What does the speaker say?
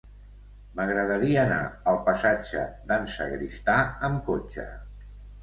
M'agradaria anar al passatge d'en Sagristà amb cotxe.